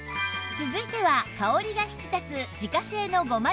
続いては香りが引き立つ自家製のごまだれ